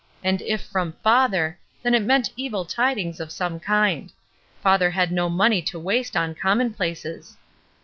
And if from father, then it meant evil tidings of some kind : father had no money to waste on commonplaces.